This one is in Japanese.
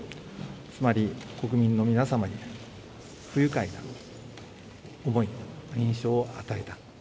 つまり国民の皆様に不愉快な思い、印象を与えた。